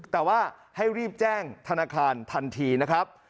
แต่ว่าให้รีบแจ้งธนาคารทันทีนะครับ